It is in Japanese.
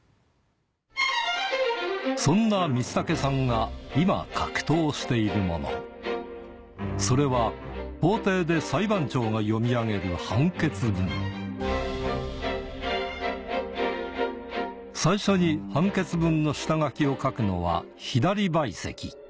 そんな光武さんが今格闘しているものそれは法廷で裁判長が読み上げる最初に判決文の下書きを書くのは左陪席